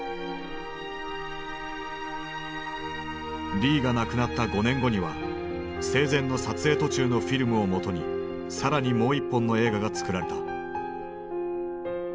リーが亡くなった５年後には生前の撮影途中のフィルムをもとに更にもう一本の映画が作られた。